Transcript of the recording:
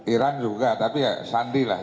iran juga tapi ya sandi lah